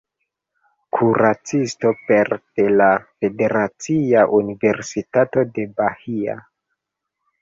Kuracisto pere de la Federacia Universitato de Bahia.